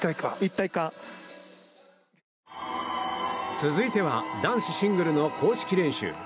続いては男子シングルの公式練習。